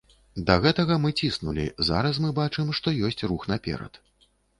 Да гэтага мы ціснулі, зараз мы бачым, што ёсць рух наперад.